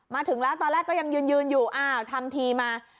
มาถึงแล้วตอนแรกก็ยังยืนอยู่อ้าวทำทีมา